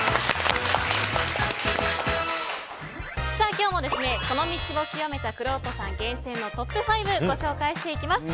今日も、この道を極めたくろうとさん厳選のトップ５、ご紹介していきます。